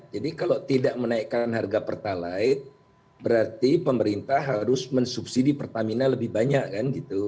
jadi kalau tidak menaikkan harga pertalaid berarti pemerintah harus mensubsidi pertamina lebih banyak kan gitu